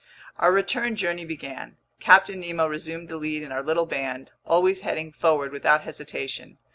Our return journey began. Captain Nemo resumed the lead in our little band, always heading forward without hesitation.